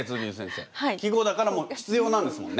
季語だからもう必要なんですもんね。